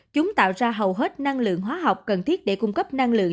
chúng tạo ra hầu hết năng lượng hóa học cần thiết để cung cấp năng lượng